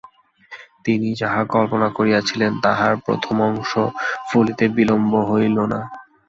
তিনি যাহা কল্পনা করিয়াছিলেন তাহার প্রথম অংশ ফলিতে বিলম্ব হইল না।